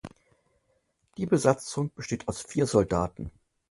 Die Besatzung besteht aus vier Soldaten.